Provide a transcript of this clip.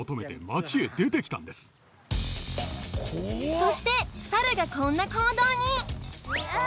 そして猿がこんな行動に！